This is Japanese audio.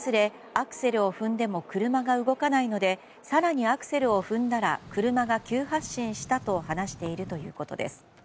アクセルを踏んでも車が動かないので更にアクセルを踏んだら車が急発進したと話しているということです。